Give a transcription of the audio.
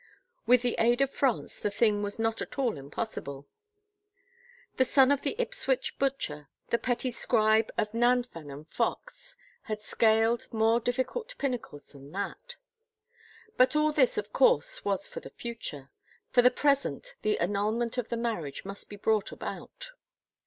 With the aid of France the thing was not at all impos sible. The son of the Ipswich butcher, the petty scribe of Nanfan and Fox, had scaled more difficult pinnacles than that ! But all this of course was for the future. For the present the annulment of the marriage must be brought about.